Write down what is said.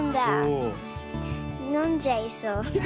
のんじゃいそう。